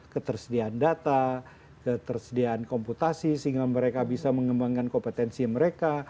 ketersediaan data ketersediaan komputasi sehingga mereka bisa mengembangkan kompetensi mereka